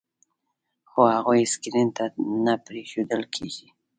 خو هغوی سکرین ته نه پرېښودل کېږي.